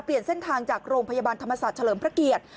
เปลี่ยนเส้นทางจากโรงพยาบาลธรรมศาสตร์เฉลิมพระเกียรติ